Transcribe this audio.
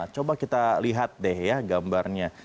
coba kita lihat deh ya gambarnya